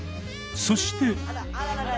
そして。